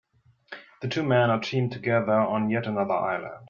The two men are teamed together on yet another island.